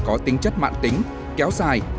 có tính chất mạng tính kéo dài